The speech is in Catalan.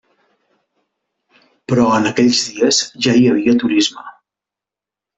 Però en aquells dies ja hi havia turisme.